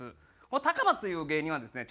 この高松という芸人はですね